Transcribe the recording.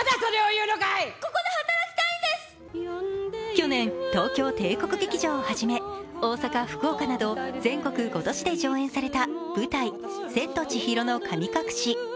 去年、東京・帝国劇場をはじめ大阪、福岡など全国５都市で上演された、舞台「千と千尋の神隠し」。